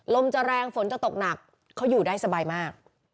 ลมจะแรงฝนจะตกหนักเขาอยู่ได้สบายมาก